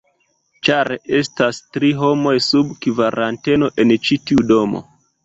ĉar estas tri homoj sub kvaranteno en ĉi tiu domo